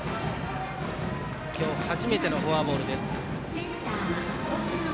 今日初めてのフォアボールです。